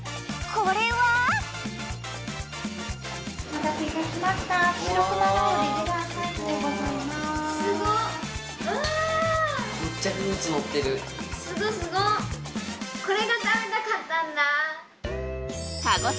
これが食べたかったんだ！